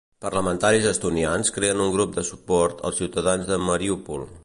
Parlamentaris estonians creen un grup de suport als ciutadans de Mariúpol.